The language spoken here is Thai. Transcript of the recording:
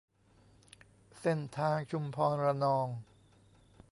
เส้นทางชุมพรระนอง